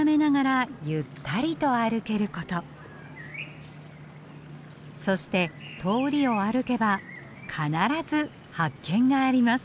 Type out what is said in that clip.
そして通りを歩けば必ず発見があります。